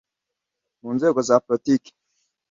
mu nzego za politiki